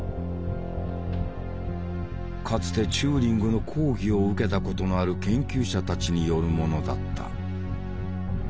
かつてチューリングの講義を受けたことのある研究者たちによるものだった。